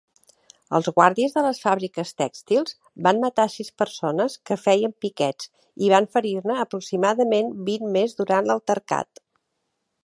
Els guàrdies de les fàbriques tèxtils van matar sis persones que feien piquets i van ferir-ne aproximadament vint més durant l'altercat.